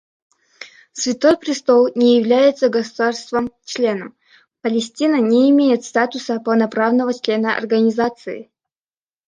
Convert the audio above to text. Святой Престол не является государством-членом; Палестина не имеет статуса полноправного члена Организации.